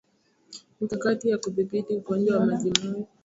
Mikakati ya kudhibiti ugonjwa wa majimoyo